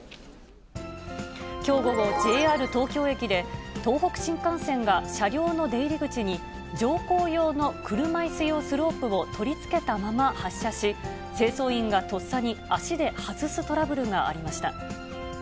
きょう午後、ＪＲ東京駅で、東北新幹線が車両の出入り口に、乗降用の車いす用スロープを取り付けたまま発車し、清掃員がとっさに足で外すトラブルがありました。